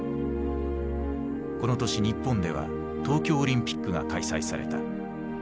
この年日本では東京オリンピックが開催された。